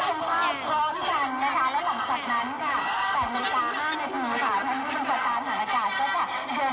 ก็จะมีการพิพากษ์ก่อนก็มีเอ็กซ์สุขก่อน